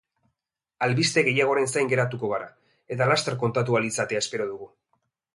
Albiste gehiagoren zain geratuko gara, eta laster kontatu ahal izatea espero dugu.